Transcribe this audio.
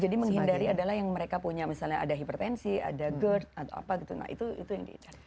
jadi menghindari adalah yang mereka punya misalnya ada hipertensi ada gerd atau apa nah itu yang dihindari